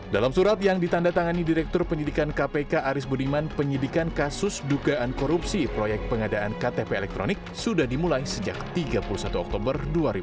dalam surat yang ditanda tangani direktur penyidikan kpk aris budiman penyidikan kasus dugaan korupsi proyek pengadaan ktp elektronik sudah dimulai sejak tiga puluh satu oktober dua ribu dua puluh